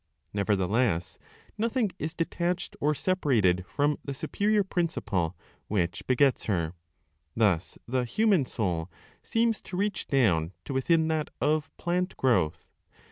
Nevertheless, nothing is detached or separated from the superior principle which begets her. Thus the human soul seems to reach down to within that of (plant) growth.